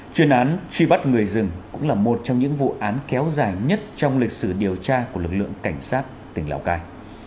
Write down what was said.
chuyên án truy bắt người rừng cũng là một trong những vụ án kéo dài nhất trong lịch sử điều tra của lực lượng cảnh sát tỉnh lào cai